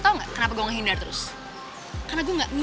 kalo lu pikir segampang itu buat ngindarin gue lu salah din